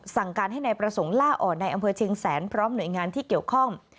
สั่งการให้นายประสงค์ล่าอ่อนในอำเภอเชียงแสนพร้อมหน่วยงานที่เกี่ยวข้อง